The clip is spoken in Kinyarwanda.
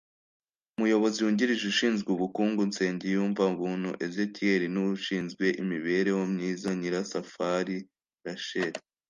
Umuyobozi Wungirije ushinzwe ubukungu Nsengiyumva Buntu Ezechiel n’ushinzwe imibereho myiza Nyirasafari R Rachel